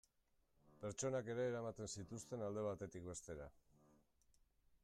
Pertsonak ere eramaten zituzten alde batetik bestera.